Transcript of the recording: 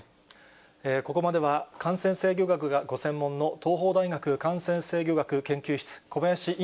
ここまでは、感染制御学がご専門の、東邦大学感染制御学研究室、小林寅